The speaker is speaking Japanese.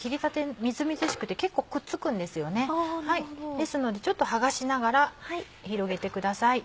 ですのでちょっと剥がしながら広げてください。